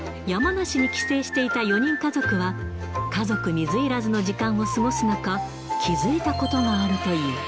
山梨に帰省していた４人家族は、家族水入らずの時間を過ごす中、気付いたことがあるという。